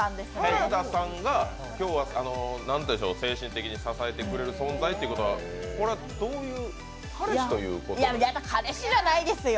原田さんが精神的に支えてくれる存在っていうことはどういう彼氏ということですか？